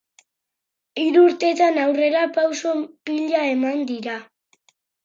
Hiru urtetan aurrerapauso pila eman dira.